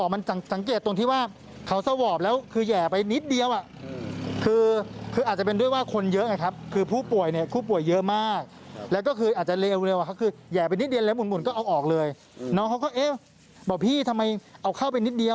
พฤศบาลเนี่ยเขาก็แหย่เข้าไปลึกแน๊ะแล้วมวลอะไรอย่างเงี้ย